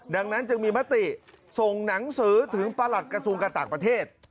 ดังนั้นจึงมีมติส่งหนังสือถึงประหลัดกระทรวงการต่างประเทศ